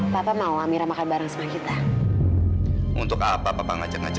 sampai jumpa di video selanjutnya